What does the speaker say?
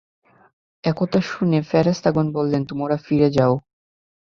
এ কথা শুনে ফেরেশতাগণ বললেনঃ তোমরা ফিরে যাও।